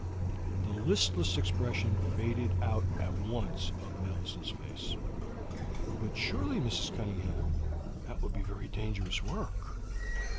The listless expression faded out at once of Millicent's face. "But surely, Mrs. Cunningham, that will be very dangerous work."